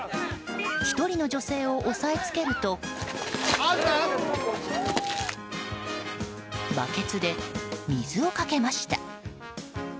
１人の女性を押さえつけるとバケツで水をかけました。